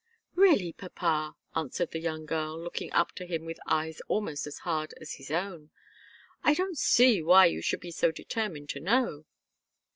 "Really, papa," answered the young girl, looking up to him with eyes almost as hard as his own, "I don't see why you should be so determined to know."